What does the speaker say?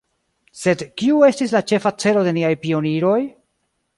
Sed kiu estis la ĉefa celo de niaj pioniroj?